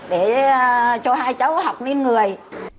để cho hai cháu học nên người